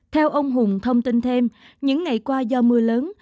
theo ông hùng thông tin thêm những ngày qua do mưa lớn